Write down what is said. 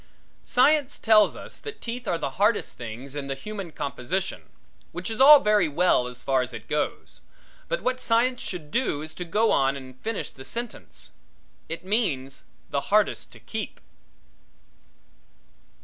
Science tells us that the teeth are the hardest things in the human composition, which is all very well as far as it goes, but what science should do is to go on and finish the sentence. It means the hardest to keep.